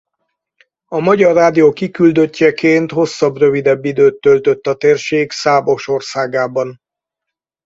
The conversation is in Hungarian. A Magyar Rádió kiküldöttjeként hosszabb-rövidebb időt töltött a térség számos országában.